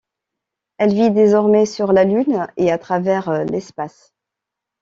Elle vit désormais sur la Lune et à travers l'espace.